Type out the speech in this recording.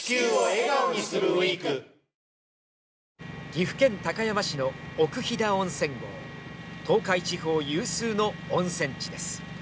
岐阜県高山市の奥飛騨温泉郷東海地方有数の温泉地です。